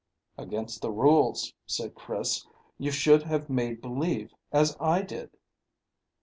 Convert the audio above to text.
"Against the rules," said Chris. "You should have made believe, as I did."